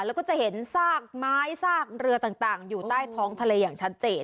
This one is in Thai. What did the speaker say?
แล้วก็จะเห็นซากไม้ซากเรือต่างอยู่ใต้ท้องทะเลอย่างชัดเจน